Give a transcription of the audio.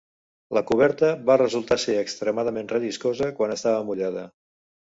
La coberta va resultar ser extremadament relliscosa quan estava mullada.